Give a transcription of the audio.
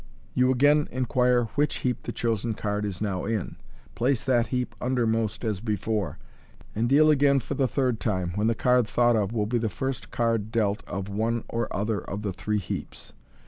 You again inquire which heap the chosen card is now in, place that heap undermost as before, and deal again for the third time, when the card thought of will be the first card dealt of one or other of the three heaps.